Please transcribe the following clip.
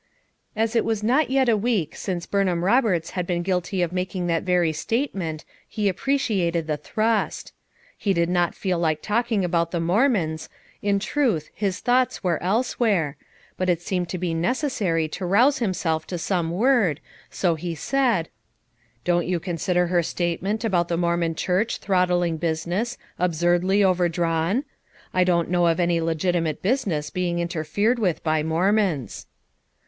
As it was not yet a week since Burnham Roberts had been guilty of making that very statement he appreciated the thrust. He did not feel like talking about the Mormons, in truth his thoughts were elsewhere, but it seemed to be necessary to rouse himself to some word, so he said : "Don't you consider her statement about the Mormon church throttling business, absurdly overdrawn? I don't know of any legitimate business being interfered with by Mormons."